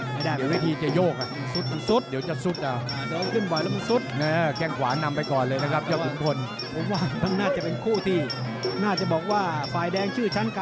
ไม่ได้อยู่วิธีจะโยก